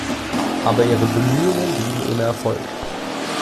Aber ihre Bemühungen blieben ohne Erfolg.